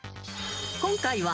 ［今回は］